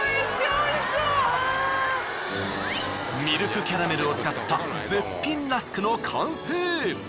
ミルクキャラメルを使った絶品ラスクの完成！